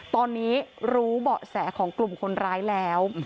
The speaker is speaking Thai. ตอนนี้รู้เบาะแสของกลุ่มคนร้ายแล้ว